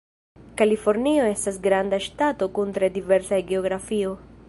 Kalifornio estas granda ŝtato kun tre diversa geografio.